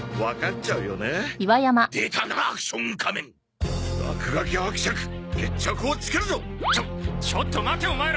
ちょっちょっと待てオマエら！